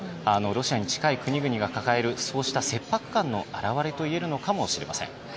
ロシアに近い国々が抱えるそうした切迫感の表れといえるのかもしれません。